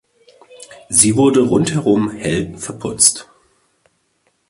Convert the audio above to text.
Sie wurde rundherum hell verputzt.